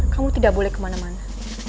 kamu tidak boleh kemana mana